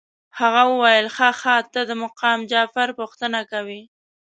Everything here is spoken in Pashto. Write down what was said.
هغه ویل ښه ښه ته د مقام جعفر پوښتنه کوې.